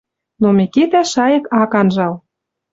Но Микитӓ шайык ак анжал...